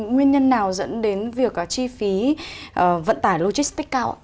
nguyên nhân nào dẫn đến việc chi phí vận tải logistic cao